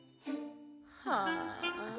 はあ。